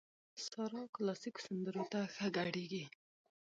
سارا کلاسيکو سندرو ته ښه ګډېږي.